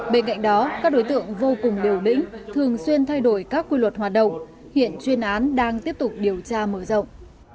bên cạnh đó các đối tượng vô cùng liều lĩnh thường xuyên thay đổi các quy luật hoạt động hiện chuyên án đang tiếp tục điều tra mở rộng